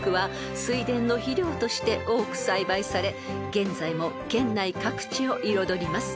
［現在も県内各地を彩ります］